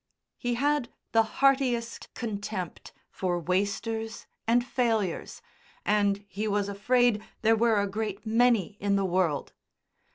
He had the heartiest contempt for "wasters" and "failures," and he was afraid there were a great many in the world.